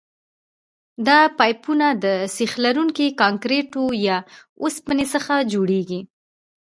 دا پایپونه د سیخ لرونکي کانکریټو یا اوسپنې څخه جوړیږي